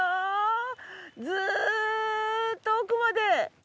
ずっと奥まで。